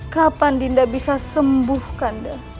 kapan dinda bisa sembuh kanda